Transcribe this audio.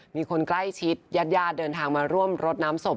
มีคนใกล้ชิดญาติญาติเดินทางมาร่วมรดน้ำศพ